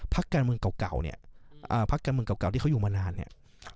พักการเมืองเก่าที่เขาอยู่มานานเนี่ย